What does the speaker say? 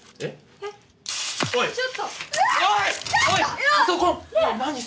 えっ。